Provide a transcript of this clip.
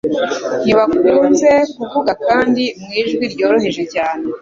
ntibakunze kuvuga kandi mu ijwi ryoroheje cyane